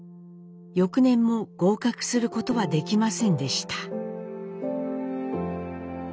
翌年も合格することはできませんでした。